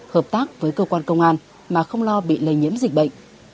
hợp tác với cơ quan công an mà không lo bị lây nhiễm dịch bệnh